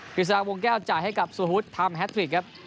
ฤษฎาวงแก้วจ่ายให้กับสุฮุตทำแฮทริกครับ